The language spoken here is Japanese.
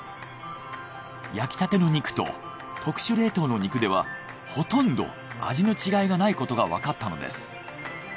焼きたての肉と特殊冷凍の肉ではほとんど味の違いがないことがわかったのです。